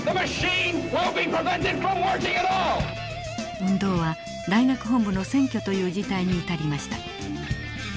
運動は大学本部の占拠という事態に至りました。